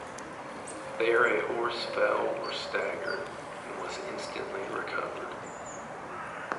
There a horse fell or staggered, and was instantly recovered.